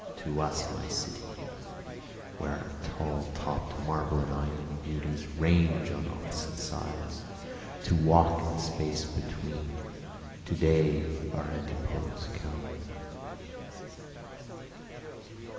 To us, my city, Where our tall topt marble and iron beauties range on opposite sides, to walk in the space between, To day our Antipodes comes.